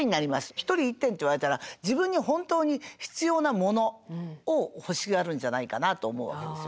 １人１点って言われたら自分に本当に必要なものを欲しがるんじゃないかなと思うわけですよ。